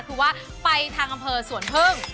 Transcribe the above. คือว่าไปทางอำเภอสวนพึ่ง